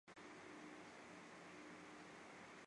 红花芒毛苣苔为苦苣苔科芒毛苣苔属下的一个种。